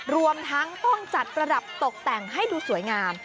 รวมทั้งต้องจัดประดับตกแต่งให้ดูสวยงาม